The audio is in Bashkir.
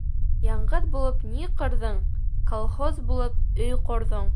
Яңғыҙ булып ни ҡырҙың, колхоз булып өй ҡорҙоң.